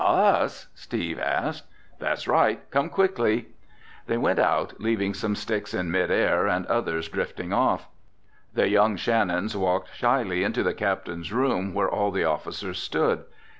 "Us?" Steve asked. "That's right. Come quickly." They went out, leaving some sticks in mid air and others drifting off. The young Shannons walked shyly into the captain's room where all the officers stood.